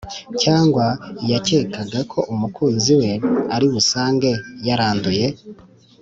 cyangwa yakekaga ko umukunzi we ari busange yaranduye?